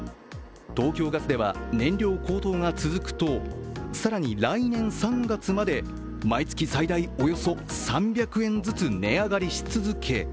東京ガスでは燃料高騰が続くと、更に来年３月まで毎月最大およそ３００円ずつ値上がりし続け